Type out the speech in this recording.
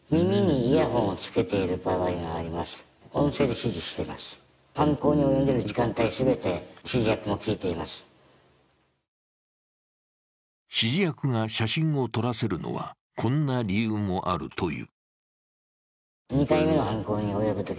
指示役が写真を撮らせるのはこんな理由もあるという。